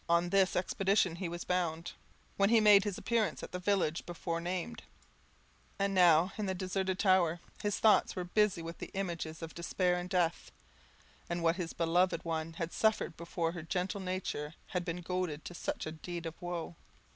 On this expedition was he bound, when he made his appearance at the village before named; and now in the deserted tower, his thoughts were busy with images of despair and death, and what his beloved one had suffered before her gentle nature had been goaded to such a deed of woe.